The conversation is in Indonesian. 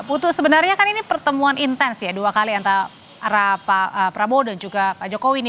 putu sebenarnya kan ini pertemuan intens ya dua kali antara pak prabowo dan juga pak jokowi nih